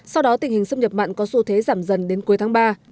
sau đó tình hình xâm nhập mặn có xu thế giảm dần đến cuối tháng ba